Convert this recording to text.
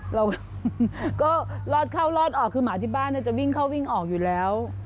เราก็รอดเข้ารอดออกคือหมาที่บ้านจะวิ่งเข้าวิ่งออกอยู่แล้ว